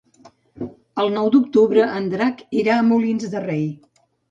El nou d'octubre en Drac irà a Molins de Rei.